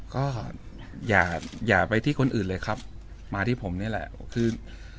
ก็อย่าอย่าไปที่คนอื่นเลยครับมาที่ผมนี่แหละคือ